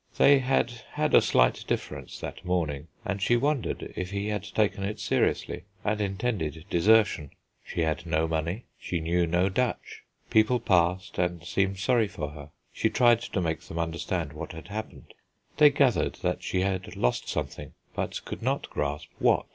They had had a slight difference that morning, and she wondered if he had taken it seriously and intended desertion. She had no money; she knew no Dutch. People passed, and seemed sorry for her; she tried to make them understand what had happened. They gathered that she had lost something, but could not grasp what.